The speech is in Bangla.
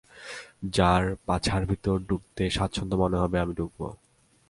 যার পাছার ভিতর ঢুকতে স্বাচ্ছন্দ্য মনে হবে, আমি ঢুকবো।